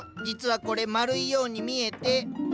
実はこれ丸いように見えて。